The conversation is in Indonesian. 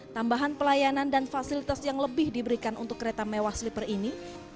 tambahan pelayanan dan fasilitas yang lebih diberikan untuk kereta mewah sleeper ini